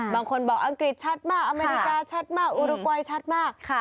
บางคนบอกอังกฤษชัดมากอเมริกาชัดมากอุรกอยชัดมาก